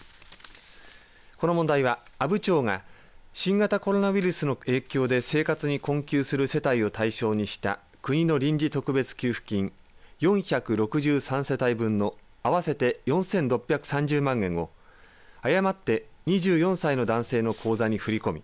この問題は、阿武町が新型コロナウイルスの影響で生活に困窮する世帯を対象にした国の臨時特別給付金４６３世帯分の合わせて４６３０万円を誤って２４歳の男性の口座に振り込み